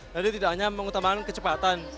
jadi tidak hanya mengutamakan kecepatan